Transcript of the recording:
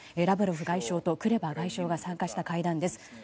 ラブロフ外相とクレバ外相が参加した会談です。